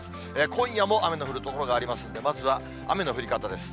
今夜も雨の降る所がありますんで、まずは雨の降り方です。